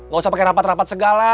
gak usah pakai rapat rapat segala